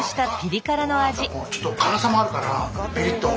ちょっと辛さもあるからピリッと。